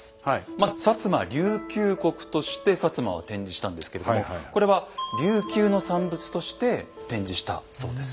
まず摩琉球国として摩は展示したんこれは琉球の産物として展示したそうです。